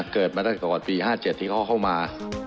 เกิดมาตั้งแต่ก่อนปี๕๗ที่เขาเข้ามา